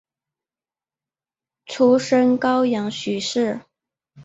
出身高阳许氏。